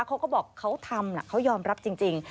เขาก็บอกเขาทำเขายอมรับจริง